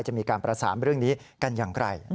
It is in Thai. จะมีการประสานเรื่องนี้กันอย่างไร